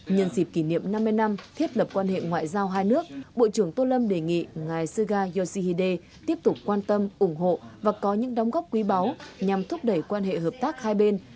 nhân dịp kỷ niệm năm mươi năm thiết lập quan hệ ngoại giao hai nước bộ trưởng tô lâm đề nghị ngài suga yoshihide tiếp tục quan tâm ủng hộ và có những đóng góp quý báu nhằm thúc đẩy quan hệ hợp tác hai bên